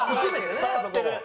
伝わってる。